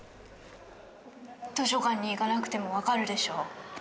図書館に行かなくても分かるでしょ。